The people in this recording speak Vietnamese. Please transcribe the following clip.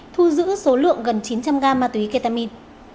thu giữ số lượng gần chín trăm linh gam ma túy ketamin